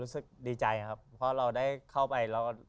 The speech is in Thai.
รู้สึกดีใจครับเพราะเราได้เข้าไปแล้วก็